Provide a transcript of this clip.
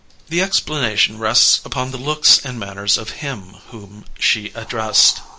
The explanation rests upon the looks and manners of him whom she addressed.